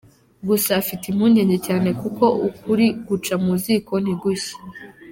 Gusa afite impungenge cyane kuko ukuri guca mu ziko ntigushye.